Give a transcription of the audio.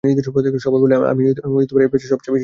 সবাই বলে আমি এই ব্যবসায় সবচেয়ে সফল।